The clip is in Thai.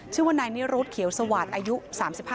ชื่อว่านายนี่รถเขียวสวัสดิ์